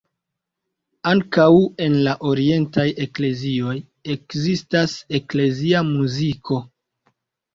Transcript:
Ankaŭ en la orientaj eklezioj ekzistas eklezia muziko.